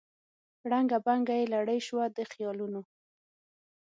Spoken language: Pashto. ړنګه بنګه یې لړۍ سوه د خیالونو